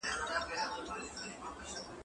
دا ونه له هغه لويه ده،